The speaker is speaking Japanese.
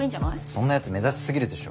そんなやつ目立ちすぎるでしょ。